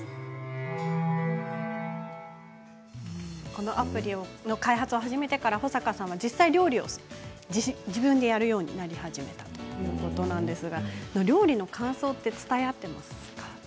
このアプリの開発を始めてから保坂さん実際に料理を自分でするようになり始めたということなんですが料理の感想って伝え合っていますか。